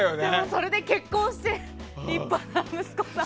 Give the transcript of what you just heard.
それで結婚して立派な息子さん。